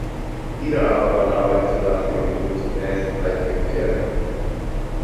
Ina Habermann arbeitete nach dem Abitur zunächst als Sekretärin.